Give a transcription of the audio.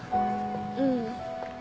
うん。